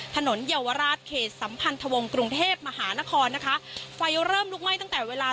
เยาวราชเขตสัมพันธวงศ์กรุงเทพมหานครนะคะไฟเริ่มลุกไหม้ตั้งแต่เวลา